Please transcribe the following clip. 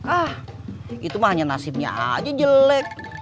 ah itu hanya nasibnya aja jelek